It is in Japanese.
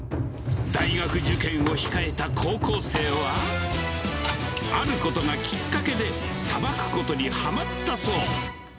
大学受験を控えた高校生は、あることがきっかけで、さばくことにはまったそう。